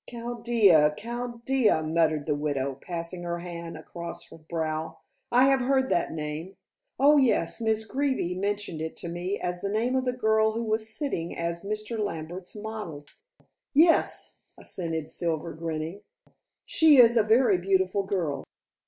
"Chaldea! Chaldea!" muttered the widow, passing her hand across her brow. "I have heard that name. Oh, yes. Miss Greeby mentioned it to me as the name of a girl who was sitting as Mr. Lambert's model." "Yes," assented Silver, grinning. "She is a very beautiful girl."